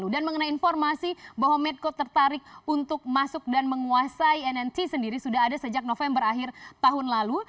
dan informasi bahwa medco tertarik untuk masuk dan menguasai nnt sendiri sudah ada sejak november akhir tahun lalu